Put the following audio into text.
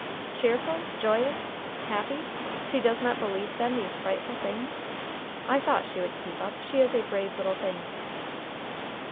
"Cheerful! joyous! happy! She does not believe, then, these frightful things? I thought she would keep up; she is a brave little thing."